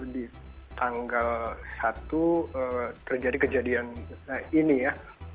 di tanggal satu terjadi kejadian ini ya